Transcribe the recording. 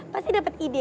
pasti dapat ide